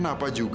kung paket jelly